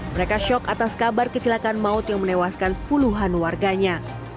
mereka shock atas kabar kecelakaan maut yang menewaskan puluhan warganya